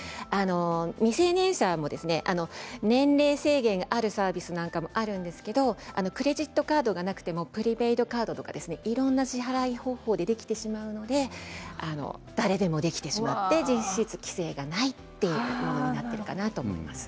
未成年者は年齢制限があるサービスもあるんですけれどクレジットカードがなくてもプリペイドタイプとかいろんな支払い方法ができてしまうので誰でもできてしまって実質、規制がないということになってしまいます。